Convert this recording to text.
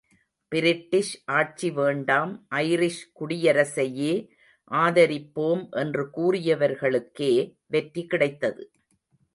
British ஆட்சி வேண்டாம், Irish குடியரசையே ஆதரிப்போம் என்று கூறியவர்களுக்கே வெற்றி கிடைத்தது.